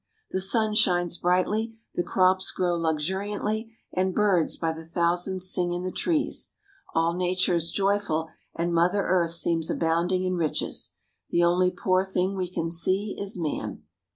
The sun shines brightly, the crops grow luxuriantly, and birds by the thousands sing in the trees. All nature is joyful, and Mother Earth seems abounding in riches. The only poor thing we can see is man.